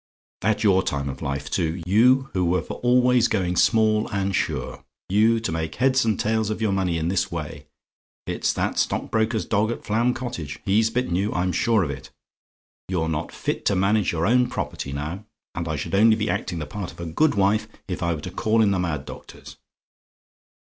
"At your time of life, too! You, who were for always going small and sure! You to make heads and tails of your money in this way! It's that stock broker's dog at Flam Cottage he's bitten you, I'm sure of it. You're not fit to manage your own property now; and I should only be acting the part of a good wife if I were to call in the mad doctors.